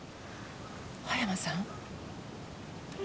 葉山さん？